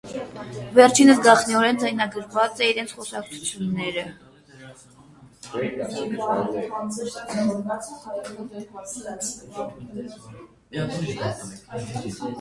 Վերջինս գաղտնիօրէն ձայնագրած է իրենց խօսակցութիւնները։